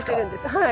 はい。